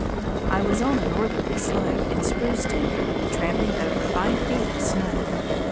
I was on a northerly slope, in spruce timber, tramping over five feet of snow.